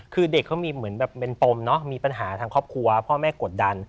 คือเด็กเขามีเหมือนแบบเป็นปมเนอะมีปัญหาทางครอบครัวพ่อแม่กดดัน